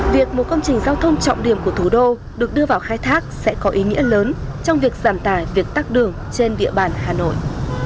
việc một công trình giao thông trọng điểm của thủ đô được đưa vào khai thác sẽ có ý nghĩa lớn trong việc giảm tải việc tắt đường trên địa bàn hà nội